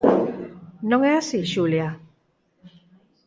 Non é así, Xulia?